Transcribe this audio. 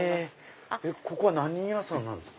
ここは何屋さんなんですか？